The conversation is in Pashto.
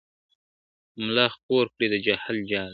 مُلا خپور کړی د جهل جال دی ,